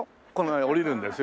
降りるんですよ。